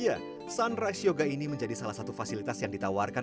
ya sunrise yoga ini menjadi salah satu fasilitas yang ditawarkan